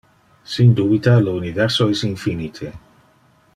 Sin dubita, le universo es infinite.